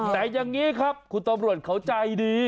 แต่อย่างนี้ครับคุณตำรวจเขาใจดี